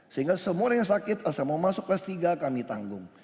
sehingga semua orang yang sakit asal mau masuk kelas tiga kami tanggung